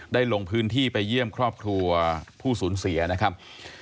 ลงพื้นที่ไปเยี่ยมครอบครัวผู้สูญเสียนะครับ